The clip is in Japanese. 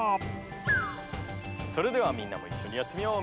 それではみんなもいっしょにやってみよう。